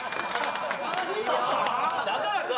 だからか！